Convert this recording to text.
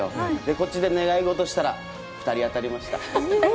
こっちで願い事したら２人当たりました。